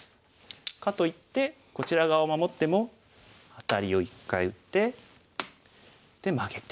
かといってこちら側を守ってもアタリを一回打ってでマゲて。